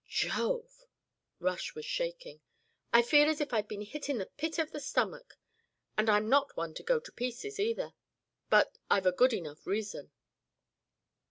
"Jove!" Rush was shaking. "I feel as if I'd been hit in the pit of the stomach. And I'm not one to go to pieces, either. But I've a good enough reason."